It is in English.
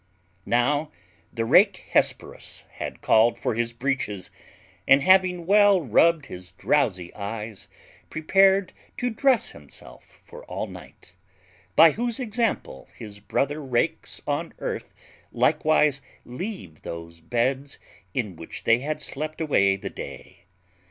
_ Now the rake Hesperus had called for his breeches, and, having well rubbed his drowsy eyes, prepared to dress himself for all night; by whose example his brother rakes on earth likewise leave those beds in which they had slept away the day.